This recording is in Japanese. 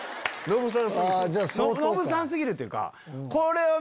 ノブさん過ぎるっていうか。